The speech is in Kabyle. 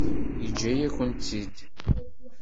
Yeǧǧa-yakent-tt-id.